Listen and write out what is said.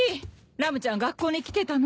ラムちゃん学校に来てたの？